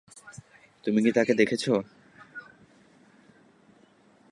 তুমি কি তাকে দেখেছ?